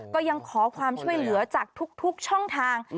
ก็ยังขอความช่วยเหลือจากทุกช่องทาง